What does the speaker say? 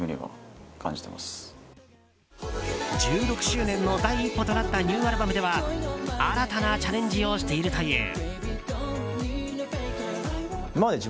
１６周年の第一歩となったニューアルバムでは新たなチャレンジをしているという。